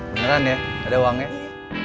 beneran ya ada uangnya